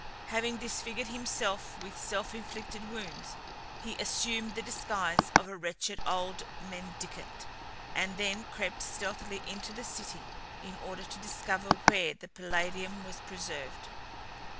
Having disfigured himself with self inflicted wounds, he assumed the disguise of a wretched old mendicant, and then crept stealthily into the city in order to discover where the Palladium was preserved.